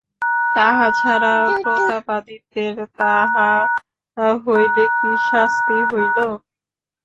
তাহা ছাড়া, প্রতাপাদিত্যের তাহা হইলে কি শাস্তি হইল?